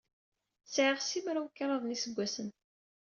Sɛiɣ simraw-kraḍ n yiseggasen.